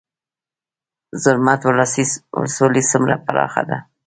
زرمت ولسوالۍ څومره پراخه ده؟